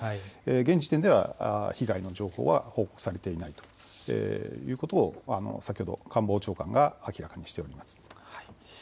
現時点では被害の情報は報告されていないということを先ほど官房長官が明らかにしています。